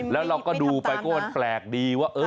แล้วเราก็ดูไปก็มันแปลกดีว่า